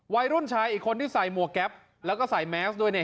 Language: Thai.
วัยรุ่นชายอีกคนที่ใส่หมวกแก๊ปแล้วก็ใส่แมสด้วยเนี่ย